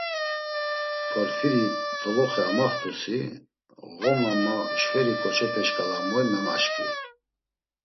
Porfiri doloxe amaxt̆usi: Ğoma ma şveri ǩoçepe şǩala moy memaşǩvi?